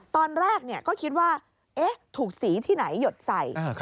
ตอนแรกก็คิดว่าถูกสีที่ไหนหยดใส่